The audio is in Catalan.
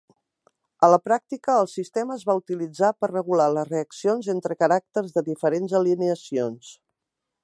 A la pràctica el sistema es va utilitzar per regular les reaccions entre caràcters de diferents alineacions.